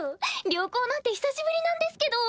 旅行なんて久しぶりなんですけど！